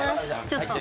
ちょっと。